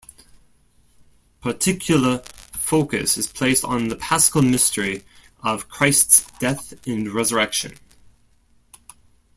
Particular focus is placed on the paschal mystery of Christ's death and resurrection.